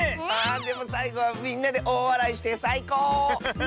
でもさいごはみんなでおおわらいしてさいこう！